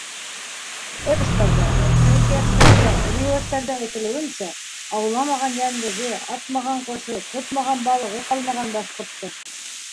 Эпостарҙа, хикәйәттәрҙә, риүәйәттәрҙә әйтелеүенсә, ауламаған йәнлеге, атмаған ҡошо, тотмаған балығы ҡалмаған башҡорттоң.